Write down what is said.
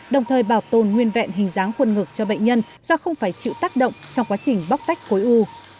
đồng thời bảo tồn nguyên vẹn hình dáng khuôn ngực cho bệnh nhân do không phải chịu tác động trong quá trình bóc tách khối u